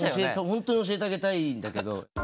ホントに教えてあげたいんだけど。